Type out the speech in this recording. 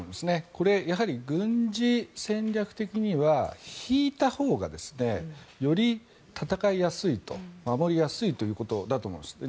これ軍事戦略的には引いたほうがより戦いやすいと守りやすいということだと思うんです。